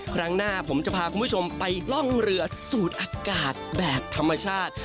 ครั้งหน้าผมจะพาคุณผู้ชมไปล่องเรือสูดอากาศแบบธรรมชาติ